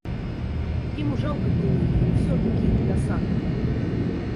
Ему жалко было ее и все-таки досадно.